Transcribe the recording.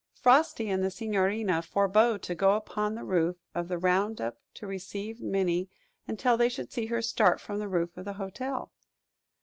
Frosty and the Signorina forbore to go upon the roof of the Roundup to receive Minnie, until they should see her start from the roof of the hotel.